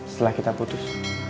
setelah kita putus